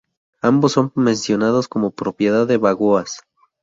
Ambos son mencionados como propiedad de Bagoas.